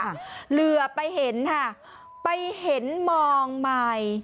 เหลือไปเห็นค่ะไปเห็นมองใหม่